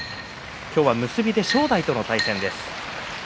今日は結びで正代との対戦です。